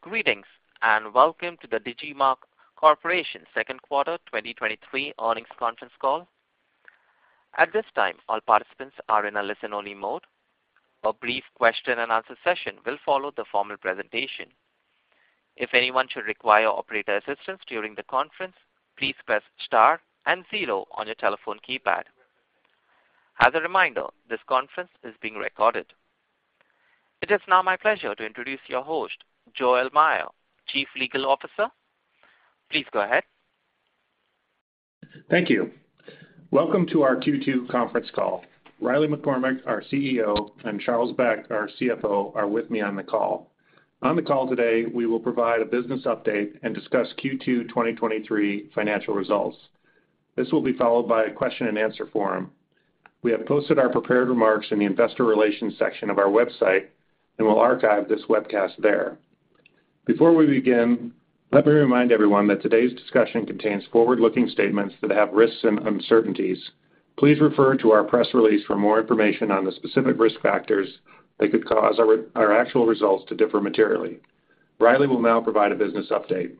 Greetings, welcome to the Digimarc Corporation Second Quarter 2023 Earnings Conference Call. At this time, all participants are in a listen-only mode. A brief question and answer session will follow the formal presentation. If anyone should require operator assistance during the conference, please press star and zero on your telephone keypad. As a reminder, this conference is being recorded. It is now my pleasure to introduce your host, Joel Meyer, Chief Legal Officer. Please go ahead. Thank you. Welcome to our Q2 Conference Call. Riley McCormack, our CEO, and Charles Beck, our CFO, are with me on the call. On the call today, we will provide a business update and discuss Q2 2023 financial results. This will be followed by a question and answer forum. We have posted our prepared remarks in the investor relations section of our website, and we'll archive this webcast there. Before we begin, let me remind everyone that today's discussion contains forward-looking statements that have risks and uncertainties. Please refer to our press release for more information on the specific risk factors that could cause our actual results to differ materially. Riley McCormack will now provide a business update.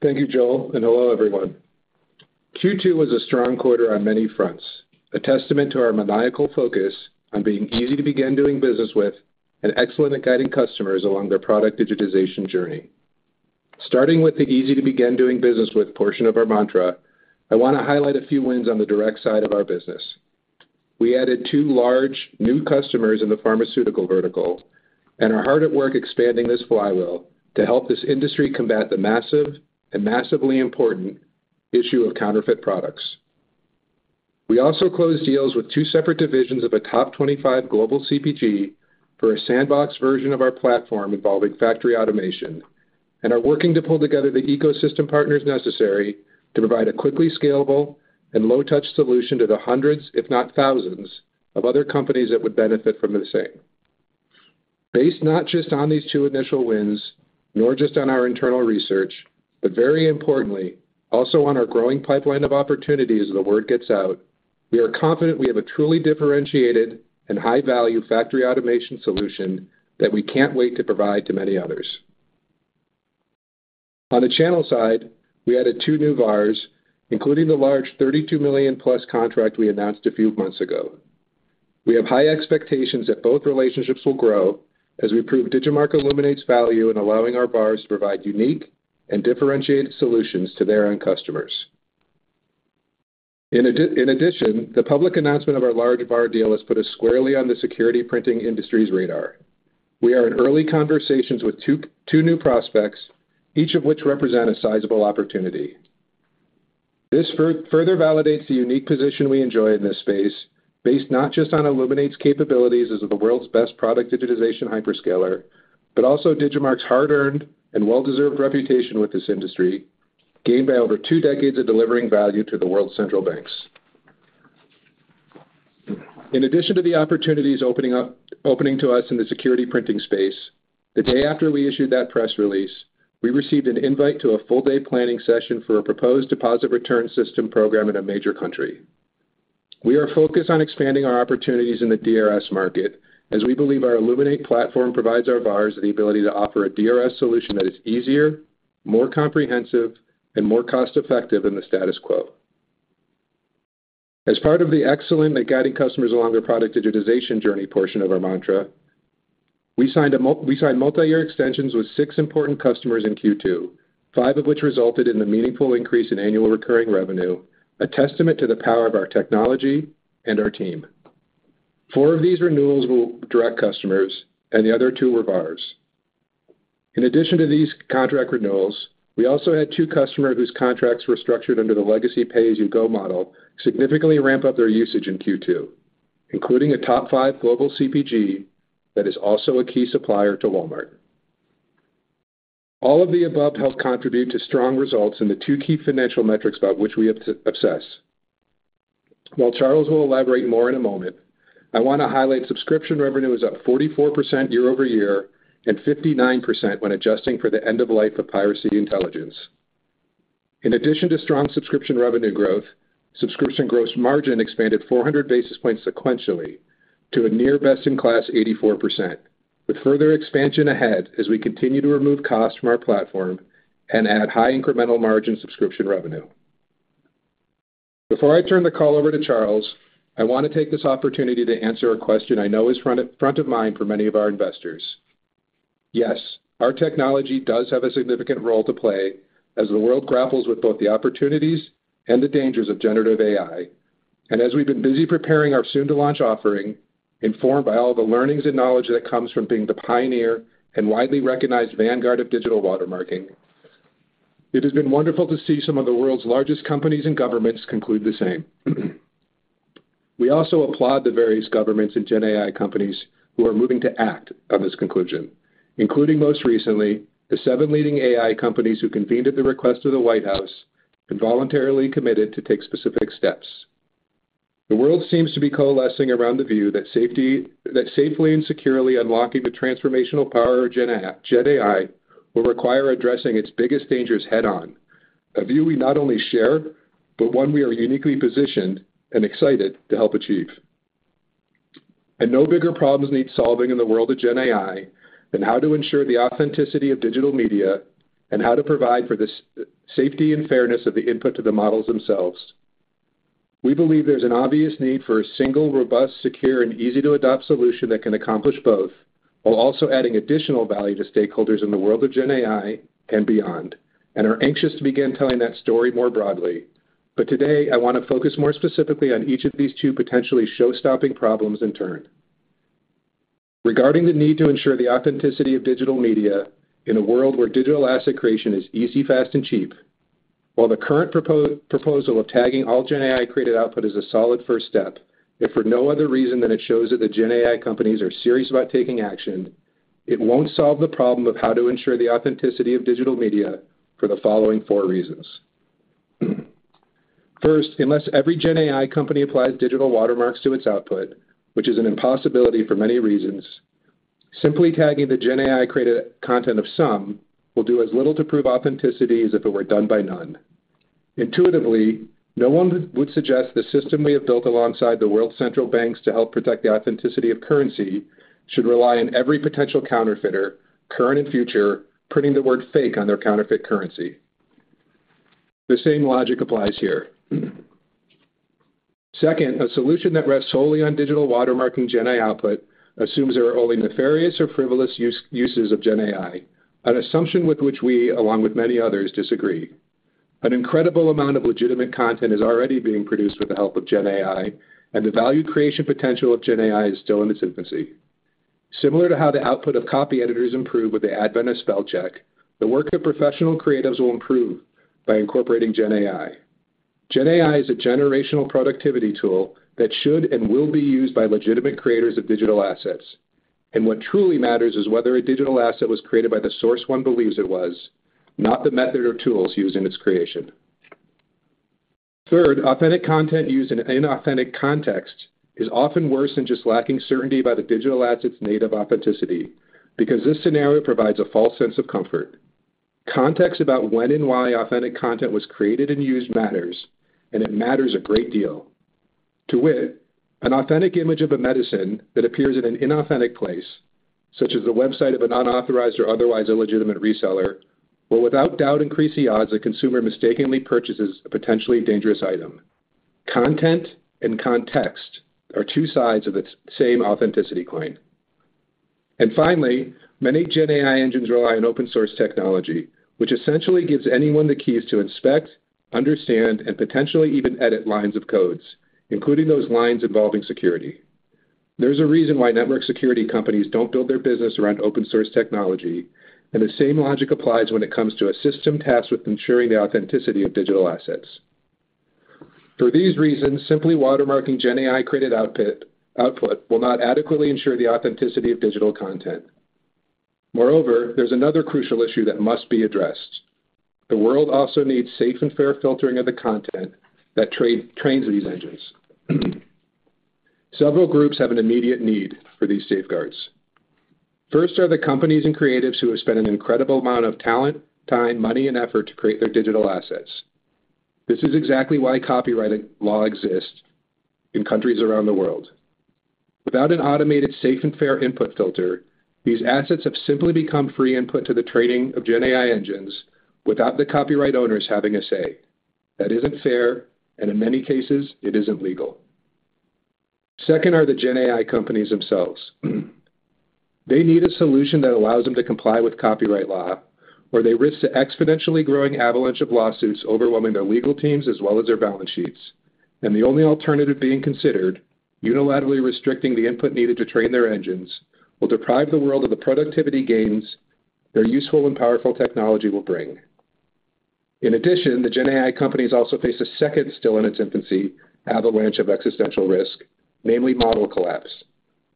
Thank you, Joel, and hello, everyone. Q2 was a strong quarter on many fronts, a testament to our maniacal focus on being easy to begin doing business with and excellent at guiding customers along their product digitization journey. Starting with the easy to begin doing business with portion of our mantra, I want to highlight a few wins on the direct side of our business. We added two large new customers in the pharmaceutical vertical and are hard at work expanding this flywheel to help this industry combat the massive and massively important issue of counterfeit products. We also closed deals with two separate divisions of a top 25 global CPG for a sandbox version of our platform involving factory automation, and are working to pull together the ecosystem partners necessary to provide a quickly scalable and low-touch solution to the hundreds, if not thousands, of other companies that would benefit from the same. Based not just on these two initial wins, nor just on our internal research, but very importantly, also on our growing pipeline of opportunities as the word gets out, we are confident we have a truly differentiated and high-value factory automation solution that we can't wait to provide to many others. On the channel side, we added two new VARs, including the large $32 million+ contract we announced a few months ago. We have high expectations that both relationships will grow as we prove Digimarc illuminates value in allowing our VARs to provide unique and differentiated solutions to their own customers. In addition, the public announcement of our large VAR deal has put us squarely on the security printing industry's radar. We are in early conversations with two new prospects, each of which represent a sizable opportunity. This further validates the unique position we enjoy in this space, based not just on Illuminate's capabilities as the world's best product digitization hyperscaler, but also Digimarc's hard-earned and well-deserved reputation with this industry, gained by over two decades of delivering value to the world's central banks. In addition to the opportunities opening up, opening to us in the security printing space, the day after we issued that press release, we received an invite to a full-day planning session for a proposed deposit return system program in a major country. We are focused on expanding our opportunities in the DRS market, as we believe our Illuminate platform provides our VARs the ability to offer a DRS solution that is easier, more comprehensive, and more cost-effective than the status quo. As part of the excellent at guiding customers along their product digitization journey portion of our mantra, we signed multiyear extensions with six important customers in Q2, five of which resulted in a meaningful increase in annual recurring revenue, a testament to the power of our technology and our team. Four of these renewals were direct customers, and the other two were VARs. In addition to these contract renewals, we also had two customers whose contracts were structured under the legacy pay-as-you-go model, significantly ramp up their usage in Q2, including a top five global CPG that is also a key supplier to Walmart. All of the above helped contribute to strong results in the two key financial metrics about which we obsess. While Charles will elaborate more in a moment, I want to highlight subscription revenue is up 44% year-over-year and 59% when adjusting for the end of life of Piracy Intelligence. In addition to strong subscription revenue growth, subscription gross margin expanded 400 basis points sequentially to a near best-in-class 84%, with further expansion ahead as we continue to remove costs from our platform and add high incremental margin subscription revenue. Before I turn the call over to Charles, I want to take this opportunity to answer a question I know is front of mind for many of our investors. Yes, our technology does have a significant role to play as the world grapples with both the opportunities and the dangers of Generative AI. As we've been busy preparing our soon-to-launch offering, informed by all the learnings and knowledge that comes from being the pioneer and widely recognized vanguard of digital watermarking, it has been wonderful to see some of the world's largest companies and governments conclude the same. We also applaud the various governments and Gen AI companies who are moving to act on this conclusion, including, most recently, the seven leading AI companies who convened at the request of the White House and voluntarily committed to take specific steps. The world seems to be coalescing around the view that safely and securely unlocking the transformational power of Gen AI will require addressing its biggest dangers head-on. A view we not only share, but one we are uniquely positioned and excited to help achieve. No bigger problems need solving in the world of Gen AI than how to ensure the authenticity of digital media, and how to provide for the safety and fairness of the input to the models themselves. We believe there's an obvious need for a single, robust, secure, and easy-to-adopt solution that can accomplish both, while also adding additional value to stakeholders in the world of Gen AI and beyond, and are anxious to begin telling that story more broadly. Today, I want to focus more specifically on each of these two potentially show-stopping problems in turn. Regarding the need to ensure the authenticity of digital media in a world where digital asset creation is easy, fast, and cheap, while the current proposal of tagging all Gen AI created output is a solid first step, if for no other reason than it shows that the Gen AI companies are serious about taking action, it won't solve the problem of how to ensure the authenticity of digital media for the following four reasons. First, unless every Gen AI company applies digital watermarks to its output, which is an impossibility for many reasons, simply tagging the Gen AI created content of some will do as little to prove authenticity as if it were done by none. Intuitively, no one would suggest the system we have built alongside the world's central banks to help protect the authenticity of currency should rely on every potential counterfeiter, current and future, printing the word fake on their counterfeit currency. The same logic applies here. Second, a solution that rests solely on digital watermarking Gen AI output assumes there are only nefarious or frivolous uses of Gen AI, an assumption with which we, along with many others, disagree. An incredible amount of legitimate content is already being produced with the help of Gen AI, and the value creation potential of Gen AI is still in its infancy. Similar to how the output of copyeditors improved with the advent of spell check, the work of professional creatives will improve by incorporating Gen AI. Gen AI is a generational productivity tool that should and will be used by legitimate creators of digital assets. What truly matters is whether a digital asset was created by the source one believes it was, not the method or tools used in its creation. Third, authentic content used in inauthentic context is often worse than just lacking certainty about the digital asset's native authenticity, because this scenario provides a false sense of comfort. Context about when and why authentic content was created and used matters, and it matters a great deal. To wit, an authentic image of a medicine that appears in an inauthentic place, such as the website of an unauthorized or otherwise illegitimate reseller, will without doubt increase the odds a consumer mistakenly purchases a potentially dangerous item. Content and context are two sides of the same authenticity coin. Finally, many Gen AI engines rely on open source technology, which essentially gives anyone the keys to inspect, understand, and potentially even edit lines of codes, including those lines involving security. There's a reason why network security companies don't build their business around open source technology, and the same logic applies when it comes to a system tasked with ensuring the authenticity of digital assets. For these reasons, simply watermarking Gen AI created output will not adequately ensure the authenticity of digital content. Moreover, there's another crucial issue that must be addressed. The world also needs safe and fair filtering of the content that trains these engines. Several groups have an immediate need for these safeguards. First are the companies and creatives who have spent an incredible amount of talent, time, money, and effort to create their digital assets. This is exactly why copyright law exists in countries around the world. Without an automated, safe, and fair input filter, these assets have simply become free input to the training of Gen AI engines without the copyright owners having a say. That isn't fair, and in many cases, it isn't legal. Second are the Gen AI companies themselves. They need a solution that allows them to comply with copyright law, or they risk the exponentially growing avalanche of lawsuits overwhelming their legal teams as well as their balance sheets. The only alternative being considered, unilaterally restricting the input needed to train their engines, will deprive the world of the productivity gains their useful and powerful technology will bring. In addition, the Gen AI companies also face a second, still in its infancy, avalanche of existential risk, namely model collapse.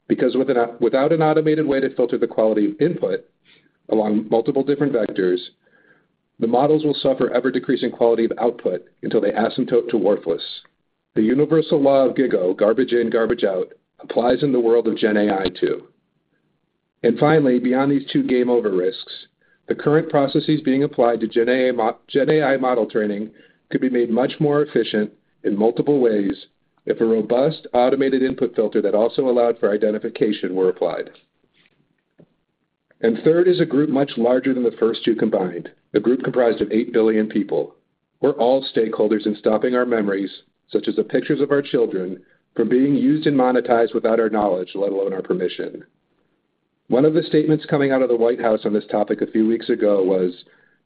Without an automated way to filter the quality of input along multiple different vectors, the models will suffer ever-decreasing quality of output until they asymptote to worthless. The universal law of GIGO, garbage in, garbage out, applies in the world of Gen AI, too. Finally, beyond these two game over risks, the current processes being applied to Gen AI model training could be made much more efficient in multiple ways if a robust, automated input filter that also allowed for identification were applied. Third is a group much larger than the first two combined, a group comprised of eight billion people. We're all stakeholders in stopping our memories, such as the pictures of our children, from being used and monetized without our knowledge, let alone our permission. One of the statements coming out of the White House on this topic a few weeks ago was: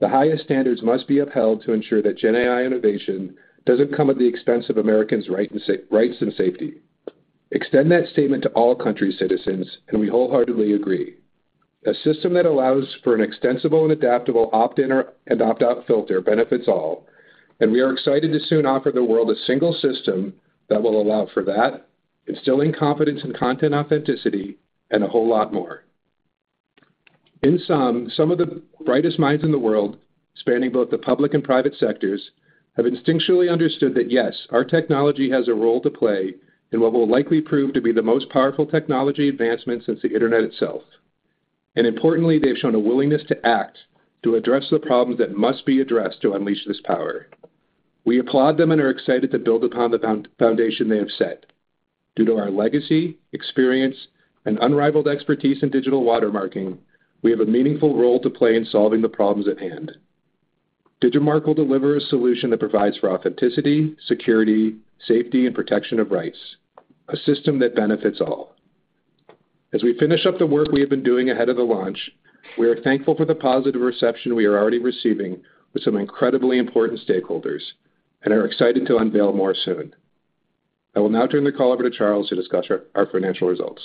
The highest standards must be upheld to ensure that Gen AI innovation doesn't come at the expense of Americans' rights and safety. Extend that statement to all countries' citizens, and we wholeheartedly agree. A system that allows for an extensible and adaptable opt-in or, and opt-out filter benefits all, and we are excited to soon offer the world a single system that will allow for that, instilling confidence in content authenticity and a whole lot more. In sum, some of the brightest minds in the world, spanning both the public and private sectors, have instinctually understood that yes, our technology has a role to play in what will likely prove to be the most powerful technology advancement since the internet itself. Importantly, they've shown a willingness to act to address the problems that must be addressed to unleash this power. We applaud them and are excited to build upon the foundation they have set. Due to our legacy, experience, and unrivaled expertise in digital watermarking, we have a meaningful role to play in solving the problems at hand. Digimarc will deliver a solution that provides for authenticity, security, safety, and protection of rights, a system that benefits all. As we finish up the work we have been doing ahead of the launch, we are thankful for the positive reception we are already receiving with some incredibly important stakeholders and are excited to unveil more soon. I will now turn the call over to Charles to discuss our financial results.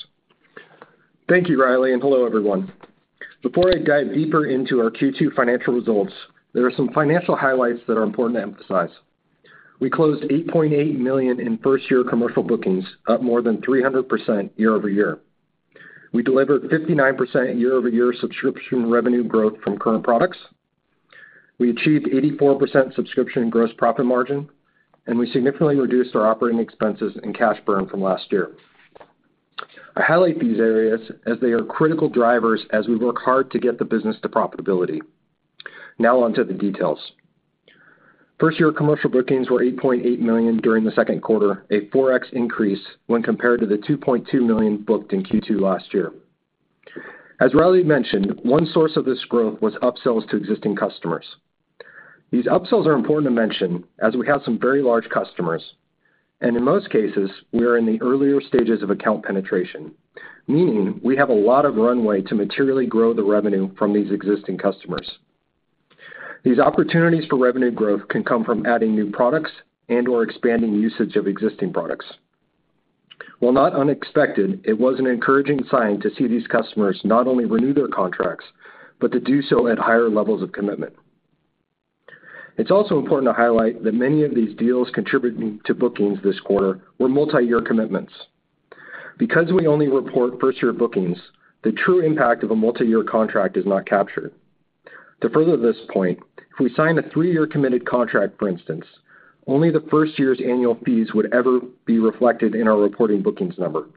Thank you, Riley. Hello, everyone. Before I dive deeper into our Q2 financial results, there are some financial highlights that are important to emphasize. We closed $8.8 million in first-year commercial bookings, up more than 300% year-over-year. We delivered 59% year-over-year subscription revenue growth from current products. We achieved 84% subscription gross profit margin. We significantly reduced our operating expenses and cash burn from last year. I highlight these areas as they are critical drivers as we work hard to get the business to profitability. Now, on to the details. First-year commercial bookings were $8.8 million during the second quarter, a 4x increase when compared to the $2.2 million booked in Q2 last year. As Riley mentioned, one source of this growth was upsells to existing customers. These upsells are important to mention, as we have some very large customers, and in most cases, we are in the earlier stages of account penetration, meaning we have a lot of runway to materially grow the revenue from these existing customers. These opportunities for revenue growth can come from adding new products and/or expanding usage of existing products. While not unexpected, it was an encouraging sign to see these customers not only renew their contracts, but to do so at higher levels of commitment. It's also important to highlight that many of these deals contributing to bookings this quarter were multiyear commitments. Because we only report first-year bookings, the true impact of a multiyear contract is not captured. To further this point, if we sign a three-year committed contract, for instance, only the first year's annual fees would ever be reflected in our reporting bookings number.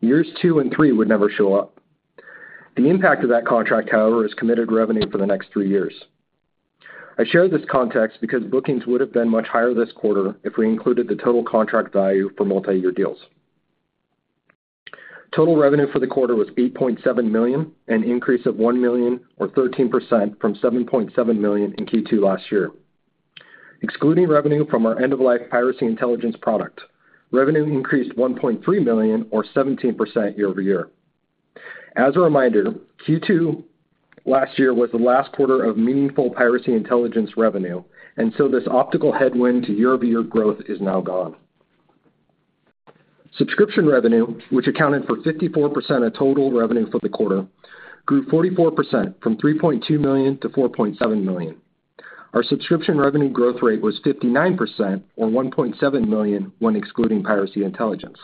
Years two and three would never show up. The impact of that contract, however, is committed revenue for the next three years. I share this context because bookings would have been much higher this quarter if we included the total contract value for multiyear deals. Total revenue for the quarter was $8.7 million, an increase of $1 million or 13% from $7.7 million in Q2 last year. Excluding revenue from our end-of-life Piracy Intelligence product, revenue increased $1.3 million or 17% year-over-year. As a reminder, Q2 last year was the last quarter of meaningful Piracy Intelligence revenue, and so this optical headwind to year-over-year growth is now gone. Subscription revenue, which accounted for 54% of total revenue for the quarter, grew 44%, from $3.2 million to $4.7 million. Our subscription revenue growth rate was 59% or $1.7 million when excluding Piracy Intelligence.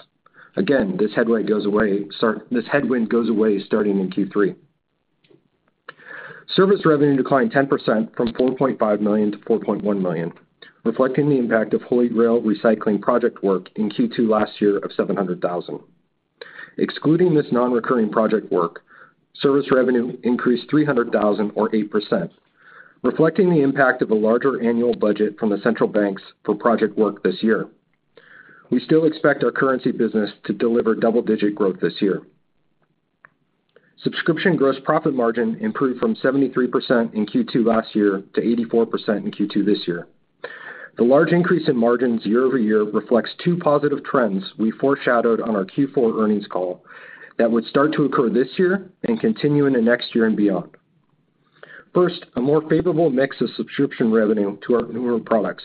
Again, this headwind goes away starting in Q3. Service revenue declined 10% from $4.5 million to $4.1 million, reflecting the impact of HolyGrail recycling project work in Q2 last year of $700,000. Excluding this non-recurring project work, service revenue increased $300,000 or 8%, reflecting the impact of a larger annual budget from the central banks for project work this year. We still expect our currency business to deliver double-digit growth this year. Subscription gross profit margin improved from 73% in Q2 last year to 84% in Q2 this year. The large increase in margins year-over-year reflects two positive trends we foreshadowed on our Q4 earnings call that would start to occur this year and continue into next year and beyond. First, a more favorable mix of subscription revenue to our newer products,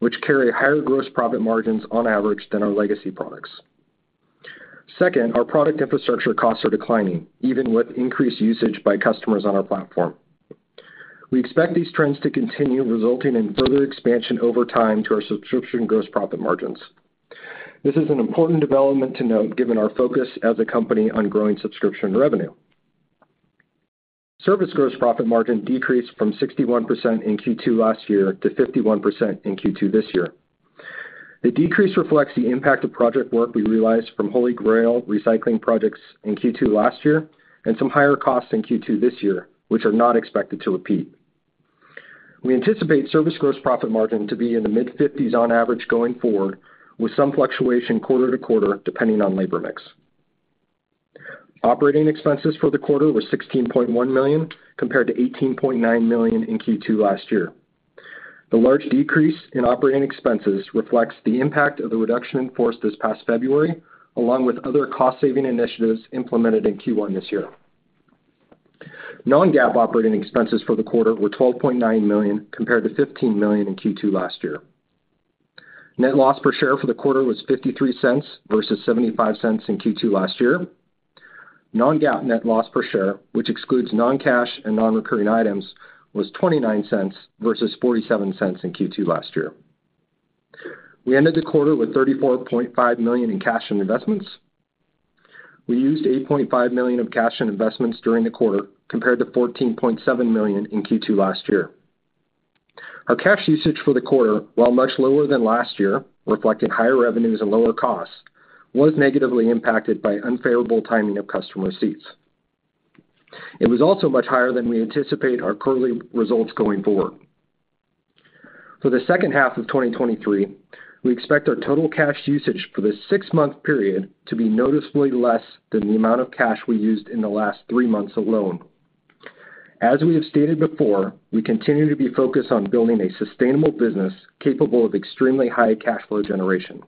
which carry higher gross profit margins on average than our legacy products. Second, our product infrastructure costs are declining, even with increased usage by customers on our platform. We expect these trends to continue, resulting in further expansion over time to our subscription gross profit margins. This is an important development to note, given our focus as a company on growing subscription revenue. Service gross profit margin decreased from 61% in Q2 last year to 51% in Q2 this year. The decrease reflects the impact of project work we realized from HolyGrail recycling projects in Q2 last year and some higher costs in Q2 this year, which are not expected to repeat. We anticipate service gross profit margin to be in the mid-50s on average going forward, with some fluctuation quarter to quarter, depending on labor mix. Operating expenses for the quarter were $16.1 million, compared to $18.9 million in Q2 last year. The large decrease in operating expenses reflects the impact of the reduction in force this past February, along with other cost-saving initiatives implemented in Q1 this year. Non-GAAP operating expenses for the quarter were $12.9 million, compared to $15 million in Q2 last year. Net loss per share for the quarter was $0.53 versus $0.75 in Q2 last year. Non-GAAP net loss per share, which excludes non-cash and non-recurring items, was $0.29 versus $0.47 in Q2 last year. We ended the quarter with $34.5 million in cash and investments. We used $8.5 million of cash and investments during the quarter, compared to $14.7 million in Q2 last year. Our cash usage for the quarter, while much lower than last year, reflecting higher revenues and lower costs, was negatively impacted by unfavorable timing of customer receipts. It was also much higher than we anticipate our currently results going forward. For the second half of 2023, we expect our total cash usage for this six-month period to be noticeably less than the amount of cash we used in the last three months alone. As we have stated before, we continue to be focused on building a sustainable business capable of extremely high cash flow generation.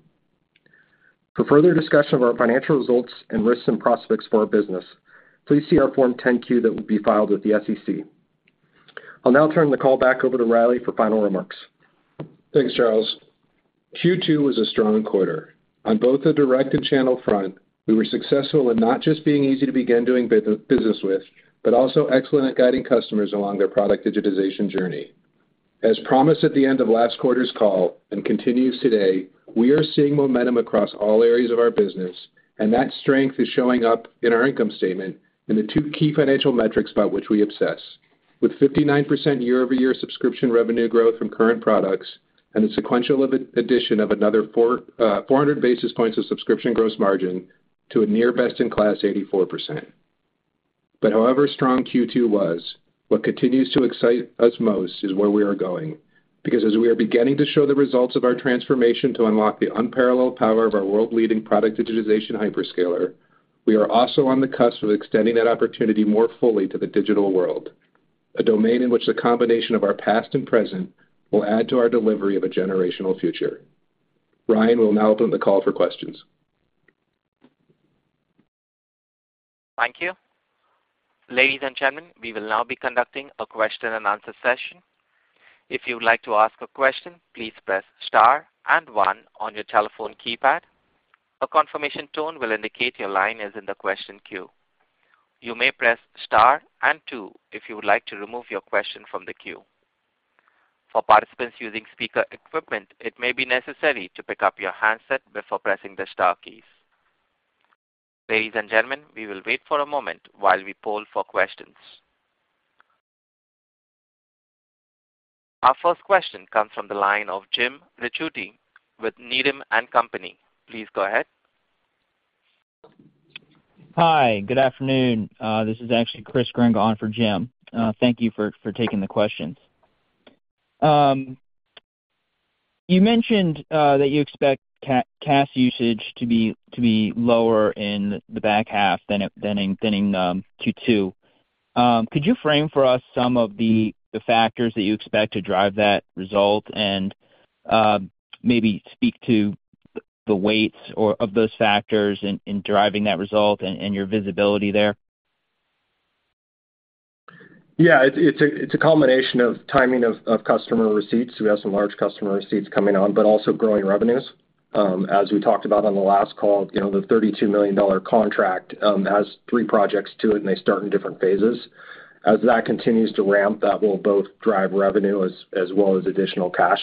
For further discussion of our financial results and risks and prospects for our business, please see our Form 10-Q that will be filed with the SEC. I'll now turn the call back over to Riley for final remarks. Thanks, Charles. Q2 was a strong quarter. On both the direct and channel front, we were successful in not just being easy to begin doing business with, but also excellent at guiding customers along their product digitization journey. As promised at the end of last quarter's call and continues today, we are seeing momentum across all areas of our business, and that strength is showing up in our income statement in the two key financial metrics about which we obsess. With 59% year-over-year subscription revenue growth from current products and the sequential addition of another 400 basis points of subscription gross margin to a near best-in-class 84%. However strong Q2 was, what continues to excite us most is where we are going, because as we are beginning to show the results of our transformation to unlock the unparalleled power of our world-leading product digitization hyperscaler, we are also on the cusp of extending that opportunity more fully to the digital world, a domain in which the combination of our past and present will add to our delivery of a generational future. Ryan will now open the call for questions. Thank you. Ladies and gentlemen, we will now be conducting a question-and-answer session. If you would like to ask a question, please press star and one on your telephone keypad. A confirmation tone will indicate your line is in the question queue. You may press star and two if you would like to remove your question from the queue. For participants using speaker equipment, it may be necessary to pick up your handset before pressing the star keys. Ladies and gentlemen, we will wait for a moment while we poll for questions. Our first question comes from the line of Jim Ricchiuti with Needham & Company. Please go ahead. Hi, good afternoon. This is actually Chris Grenga for Jim. Thank you for taking the questions. You mentioned that you expect cash usage to be lower in the back half than in Q2. Could you frame for us some of the factors that you expect to drive that result and, maybe speak to the weights or of those factors in driving that result and your visibility there? Yeah, it's a, it's a combination of timing of customer receipts. We have some large customer receipts coming on, but also growing revenues. As we talked about on the last call, you know, the $32 million contract has three projects to it, and they start in different phases. As that continues to ramp, that will both drive revenue, as well as additional cash.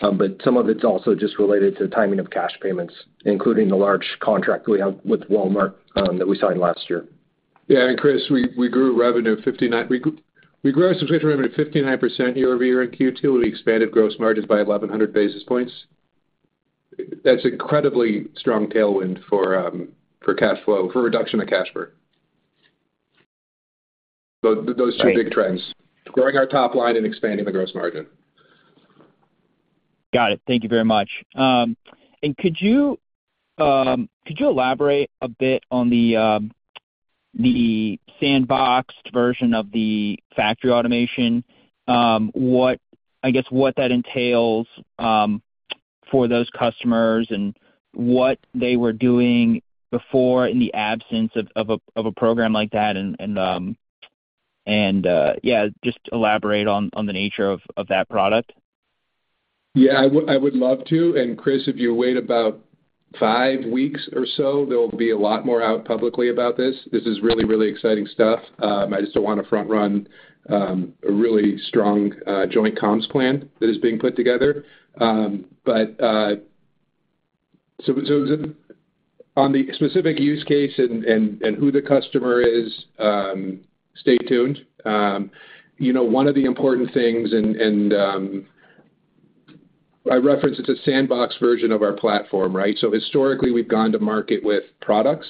But some of it's also just related to timing of cash payments, including the large contract we have with Walmart that we signed last year. Yeah, Chris, we grew our subscription revenue 59% year-over-year in Q2, and we expanded gross margins by 1,100 basis points. That's incredibly strong tailwind for cash flow, for reduction of cash burn. Those two big trends, growing our top line and expanding the gross margin. Got it. Thank you very much. Could you elaborate a bit on the sandboxed version of the Factory Automation? What, I guess what that entails for those customers and what they were doing before in the absence of a program like that and, yeah, just elaborate on the nature of that product. Yeah, I would, I would love to. Chris, if you wait about five weeks or so, there'll be a lot more out publicly about this. This is really, really exciting stuff. I just don't want to front run a really strong joint comms plan that is being put together. So on the specific use case and who the customer is, stay tuned. You know, one of the important things and, I referenced it's a sandbox version of our platform, right? Historically, we've gone to market with products,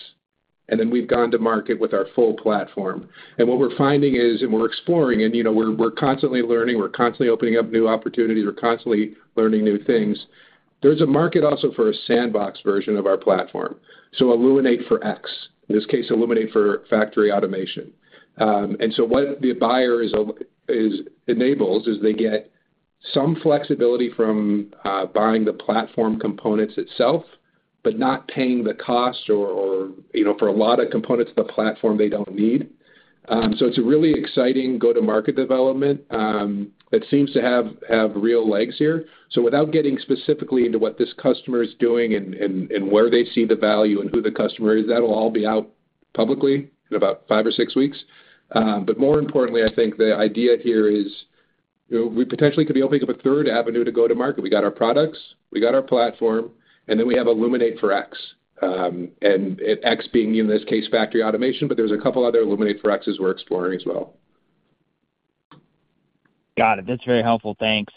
and then we've gone to market with our full platform. What we're finding is, and we're exploring and, you know, we're constantly learning, we're constantly opening up new opportunities, we're constantly learning new things. There's a market also for a sandbox version of our platform. Illuminate for X, in this case, Illuminate for Factory Automation. What the buyer enables is they get some flexibility from buying the platform components itself, but not paying the cost or, you know, for a lot of components of the platform they don't need. It's a really exciting go-to-market development that seems to have real legs here. Without getting specifically into what this customer is doing and where they see the value and who the customer is, that'll all be out publicly in about five or sixnweeks. More importantly, I think the idea here is, you know, we potentially could be opening up a third avenue to go to market. We got our products, we got our platform, we have Illuminate for X. X being, in this case, Factory Automation, but there's a couple other Illuminate for X's we're exploring as well. Got it. That's very helpful. Thanks.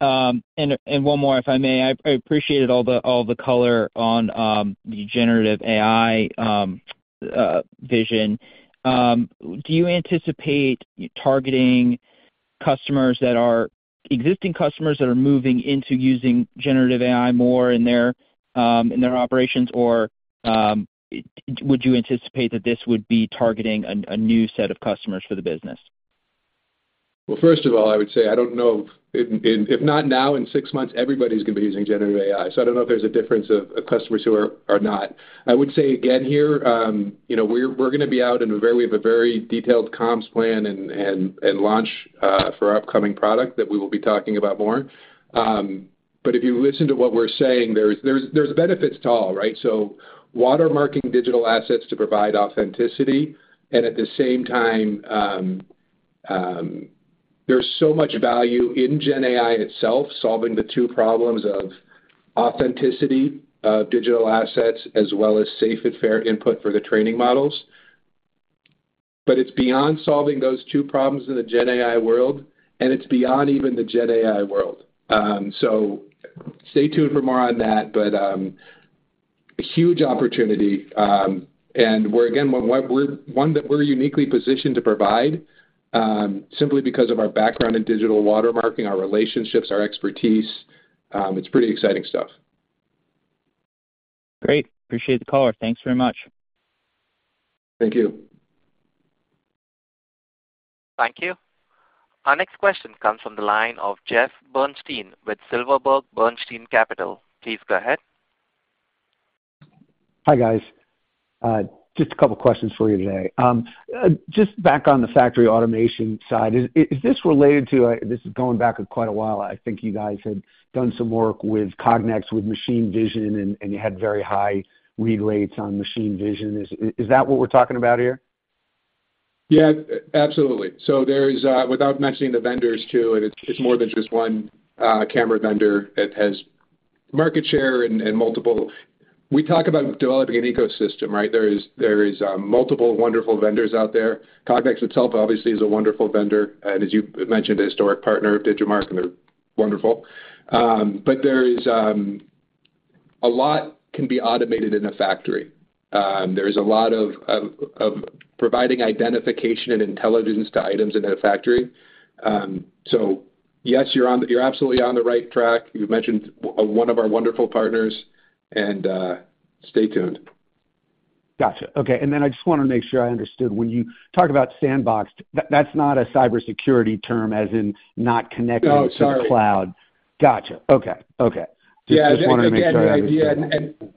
One more, if I may, I appreciated all the color on the Generative AI vision. Do you anticipate targeting customers that are existing customers that are moving into using Generative AI more in their operations? Or would you anticipate that this would be targeting a new set of customers for the business? First of all, I would say I don't know. If not now, in six months, everybody's going to be using Generative AI. I don't know if there's a difference of customers who are not. I would say again here, you know, we're going to be out in a very— we have a very detailed comms plan and launch, for our upcoming product that we will be talking about more. If you listen to what we're saying, there's benefits to all, right? Watermarking digital assets to provide authenticity, and at the same time, there's so much value in Gen AI itself, solving the two problems of authenticity of digital assets, as well as safe and fair input for the training models. It's beyond solving those two problems in the Gen AI world, and it's beyond even the Gen AI world. Stay tuned for more on that, but huge opportunity. We're again, one we're—one that we're uniquely positioned to provide, simply because of our background in digital watermarking, our relationships, our expertise. It's pretty exciting stuff. Great. Appreciate the call. Thanks very much. Thank you. Thank you. Our next question comes from the line of Jeff Bernstein with Silverberg Bernstein Capital. Please go ahead. Hi, guys. Just a couple of questions for you today. Just back on the Factory Automation side, is this related to—this is going back quite a while, I think you guys had done some work with Cognex, with machine vision, and you had very high read rates on machine vision. Is that what we're talking about here? Yeah, absolutely. There's, without mentioning the vendors, too, and it's more than just one camera vendor that has market share and multiple—we talk about developing an ecosystem, right? There is multiple wonderful vendors out there. Cognex itself obviously is a wonderful vendor, and as you mentioned, a historic partner of Digimarc, and they're wonderful. There is a lot can be automated in a factory. There is a lot of providing identification and intelligence to items in a factory. Yes, you're on—you're absolutely on the right track. You mentioned one of our wonderful partners, and stay tuned. Gotcha. Okay, then I just wanna make sure I understood. When you talk about sandboxed, that's not a cybersecurity term, as in not connecting. No, sorry. To the cloud. Gotcha. Okay. Okay. Yeah. Just wanted to make sure I understood.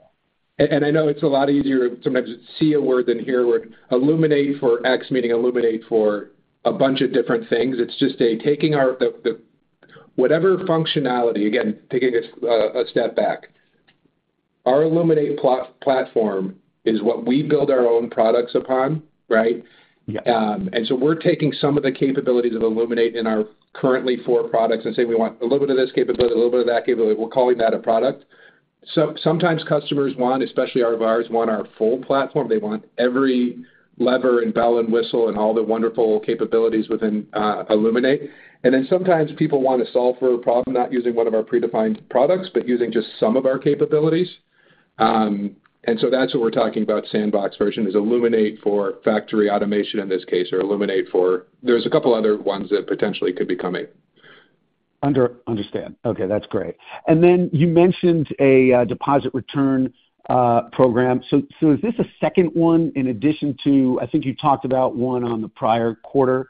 I know it's a lot easier to sometimes see a word than hear a word. Illuminate for X, meaning Illuminate for a bunch of different things. It's just taking our whatever functionality, again, taking a step back. Our Illuminate platform is what we build our own products upon, right? Yeah. We're taking some of the capabilities of Illuminate in our currently four products and say, we want a little bit of this capability, a little bit of that capability. We're calling that a product. Sometimes customers want, especially our VARs, want our full platform. They want every lever and bell and whistle and all the wonderful capabilities within Illuminate. Sometimes people want to solve for a problem, not using one of our predefined products, but using just some of our capabilities. That's what we're talking about sandbox version, is Illuminate for Factory Automation in this case, or Illuminate for—there’s a couple other ones that potentially could be coming. Understand. Okay, that's great. You mentioned a deposit return program. Is this a second one in addition to—I think you talked about one on the prior quarter?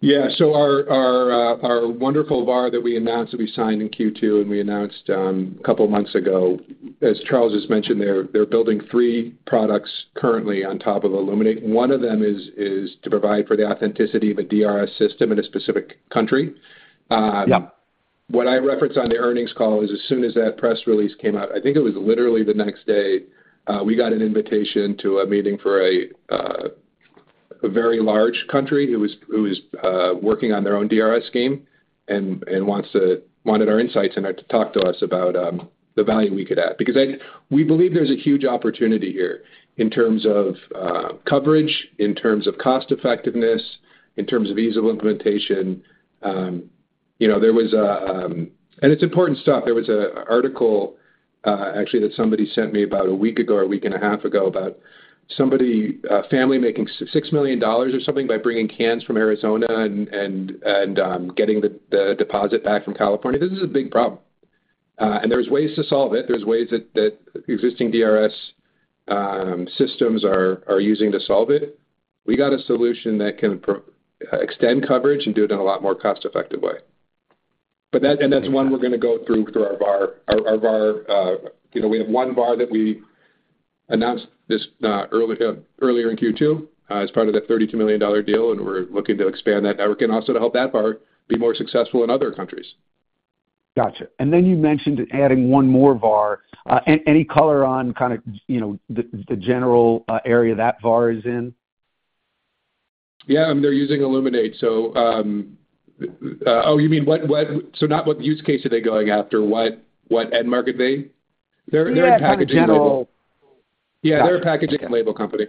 Yeah. Our, our wonderful VAR that we announced, that we signed in Q2, and we announced a couple of months ago. As Charles just mentioned, they're building three products currently on top of Illuminate. One of them is to provide for the authenticity of a DRS system in a specific country. Yeah. What I referenced on the earnings call is as soon as that press release came out, I think it was literally the next day, we got an invitation to a meeting for a very large country who is working on their own DRS scheme and wanted our insights and to talk to us about the value we could add. Because we believe there's a huge opportunity here in terms of coverage, in terms of cost effectiveness, in terms of ease of implementation. You know, and it's important stuff. There was a article, actually, that somebody sent me about a week ago or a week and a half ago, about somebody, a family making $6 million or something by bringing cans from Arizona and, getting the deposit back from California. This is a big problem. There's ways to solve it. There's ways that, that existing DRS systems are using to solve it. We got a solution that can extend coverage and do it in a lot more cost-effective way. That, and that's one we're going to go through, through our VAR. Our VAR, you know, we have one VAR that we announced this, earlier in Q2, as part of that $32 million deal, and we're looking to expand that network and also to help that VAR be more successful in other countries. Gotcha. Then you mentioned adding one more VAR. Any color on kind of, you know, the, the general area that VAR is in? Yeah, they're using Illuminate, so, oh, you mean what, so not what use case are they going after? What end market may? They're in packaging. Yeah, they're a packaging and label company.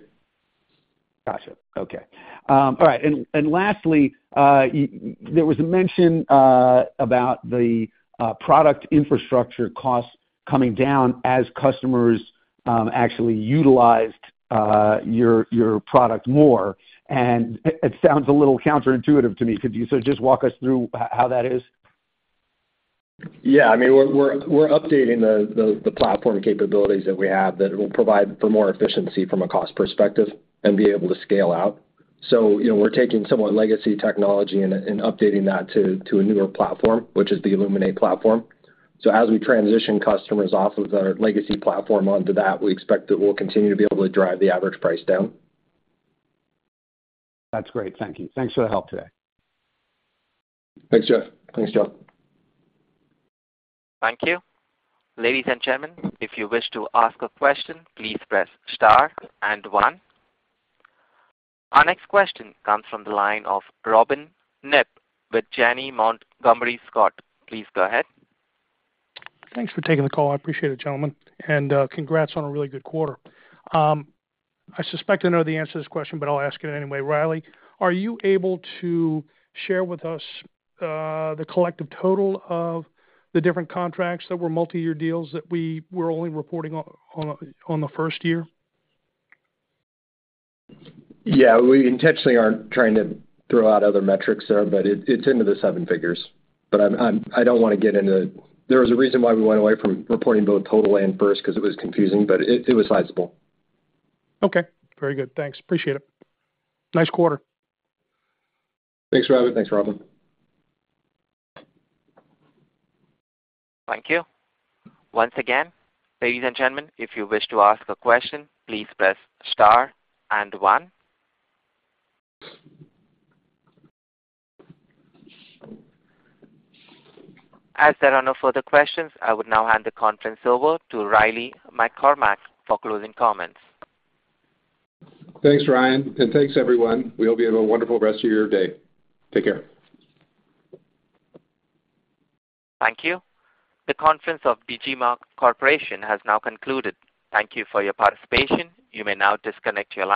Gotcha. Okay. All right, and lastly, there was a mention about the product infrastructure costs coming down as customers actually utilized your product more, and it sounds a little counterintuitive to me. Could you so just walk us through how that is? Yeah, I mean, we're updating the platform capabilities that we have that will provide for more efficiency from a cost perspective and be able to scale out. You know, we're taking somewhat legacy technology and updating that to a newer platform, which is the Illuminate platform. As we transition customers off of our legacy platform onto that, we expect that we'll continue to be able to drive the average price down. That's great. Thank you. Thanks for the help today. Thanks, Jeff. Thanks, Jeff. Thank you. Ladies and gentlemen, if you wish to ask a question, please press star and one. Our next question comes from the line of Robin Knipp with Janney Montgomery Scott. Please go ahead. Thanks for taking the call. I appreciate it, gentlemen, and congrats on a really good quarter. I suspect I know the answer to this question, but I'll ask it anyway. Riley, are you able to share with us the collective total of the different contracts that were multiyear deals that we were only reporting on the first year? Yeah. We intentionally aren't trying to throw out other metrics there, but it's into the seven figures. I don't want to get into—there was a reason why we went away from reporting both total and first, because it was confusing, but it was sizable. Okay, very good. Thanks. Appreciate it. Nice quarter. Thanks, Robin. Thanks, Robin. Thank you. Once again, ladies and gentlemen, if you wish to ask a question, please press star and one. As there are no further questions, I would now hand the conference over to Riley McCormack for closing comments. Thanks, Ryan, and thanks, everyone. We hope you have a wonderful rest of your day. Take care. Thank you. The conference of Digimarc Corporation has now concluded. Thank you for your participation. You may now disconnect your lines.